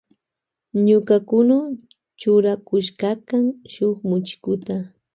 Ñuka kunu churakushkakan shuk muchikuta.